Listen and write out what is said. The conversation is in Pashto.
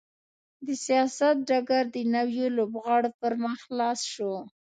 د سیاست ډګر د نویو لوبغاړو پر مخ خلاص شو.